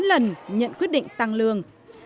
các giáo viên đã được tăng lương